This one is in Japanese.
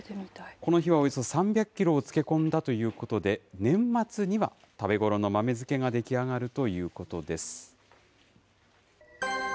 この日はおよそ３００キロを漬け込んだということで、年末には食べ頃の豆漬けが出来上がるということです。